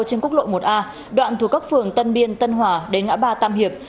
trên quốc lộ một a đoạn thuộc các phường tân biên tân hòa đến ngã ba tam hiệp